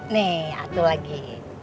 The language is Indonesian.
nih atuh lagi